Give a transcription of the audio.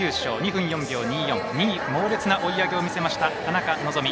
２分４秒２４２位、猛烈な追い上げを見せた田中希実。